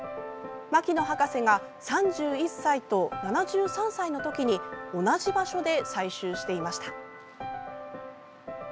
牧野博士が３１歳と７３歳の時に同じ場所で採集していました。